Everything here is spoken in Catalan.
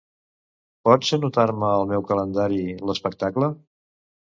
Pots anotar-me al meu calendari l'espectacle?